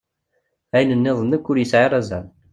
Ayen nniḍen akk ur yesɛi ara azal.